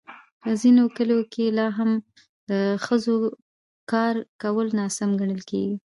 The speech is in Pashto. په ځینو کلیو کې لا هم د ښځو کار کول ناسم ګڼل کېږي.